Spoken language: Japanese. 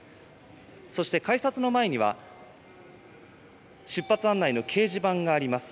そして改札の前には出発案内の掲示板があります。